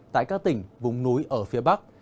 tại các tỉnh vùng núi ở phía bắc